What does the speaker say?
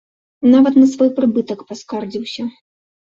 Нават на свой прыбытак паскардзіўся!